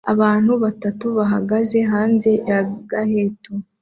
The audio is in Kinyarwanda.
Abantu batatu bahagaze hanze ya ghetto